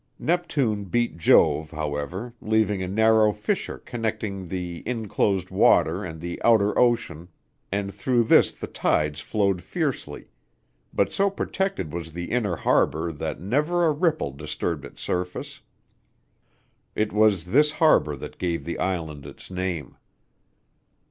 Neptune beat Jove, however, leaving a narrow fissure connecting the inclosed water and the outer ocean, and through this the tides flowed fiercely; but so protected was the inner harbor that never a ripple disturbed its surface. It was this harbor that gave the island its name.